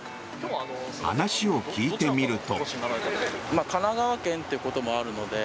話を聞いてみると。